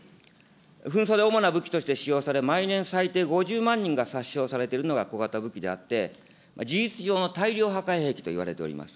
紛争で主な武器として使用され、毎年、最低５０万人が殺傷されているのが小型武器であって、事実上の大量破壊兵器といわれています。